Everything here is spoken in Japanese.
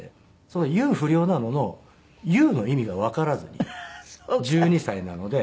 その「ユー不良なの？」の「ユー」の意味がわからずに１２歳なので。